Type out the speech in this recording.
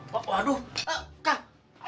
waduh ah kak